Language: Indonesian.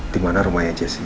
dimana rumahnya jessy ya